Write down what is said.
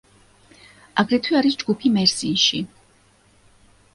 აგრეთვე არის ჯგუფი მერსინში.